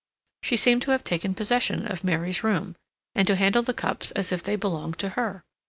She seemed to have taken possession of Mary's room, and to handle the cups as if they belonged to her.